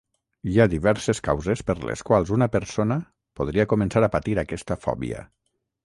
Hi ha diverses causes per les quals una persona podria començar a patir aquesta fòbia.